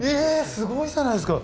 すごいじゃないですか！